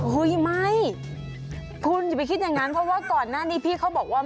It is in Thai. เฮ้ยไม่คุณอย่าไปคิดอย่างนั้นเพราะว่าก่อนหน้านี้พี่เขาบอกว่า